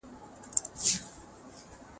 کله چې ښځې زده کړه وکړي، کورنۍ به بې لارې نه شي.